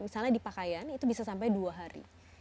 misalnya di pakaian itu bisa sampai dua hari